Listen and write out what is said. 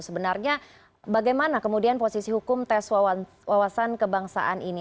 sebenarnya bagaimana kemudian posisi hukum tes wawasan kebangsaan ini